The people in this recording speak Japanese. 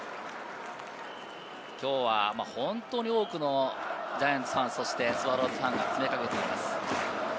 今日は本当に多くのジャイアンツファン、スワローズファンが詰めかけています。